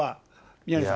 宮根さん。